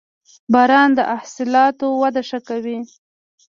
• باران د حاصلاتو وده ښه کوي.